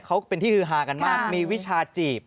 เขาเป็นที่ฮือฮากันมากมีวิชาจีบ